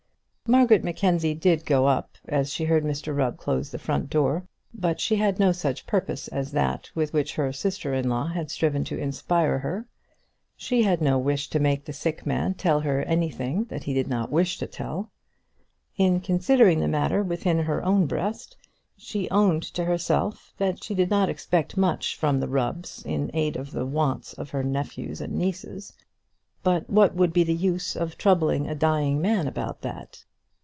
Margaret Mackenzie did go up as she heard Mr Rubb close the front door; but she had no such purpose as that with which her sister in law had striven to inspire her. She had no wish to make the sick man tell her anything that he did not wish to tell. In considering the matter within her own breast, she owned to herself that she did not expect much from the Rubbs in aid of the wants of her nephews and nieces; but what would be the use of troubling a dying man about that?